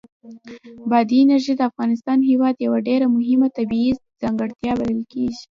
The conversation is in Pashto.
بادي انرژي د افغانستان هېواد یوه ډېره مهمه طبیعي ځانګړتیا بلل کېږي.